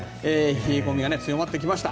冷え込みが強まってきました。